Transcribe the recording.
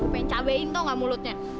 pengen cabain tau nggak mulutnya